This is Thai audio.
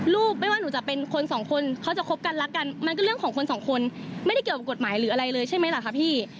ลูกไม่ว่าหนูจะเป็นคนสองคนเขาจะคบกันรักกันมันก็เรื่องของคนสองคนไม่ได้เกี่ยวกับกฎหมายหรืออะไรเลยใช่ไหมล่ะคะพี่